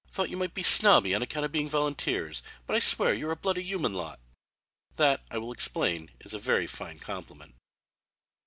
"Thought you might be snobby on account of being volunteers, but I swear you're a bloody human lot." That, I will explain, is a very fine compliment.